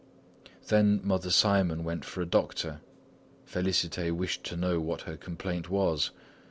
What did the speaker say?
Then Mother Simon went for a doctor. Félicité wished to know what her complaint was.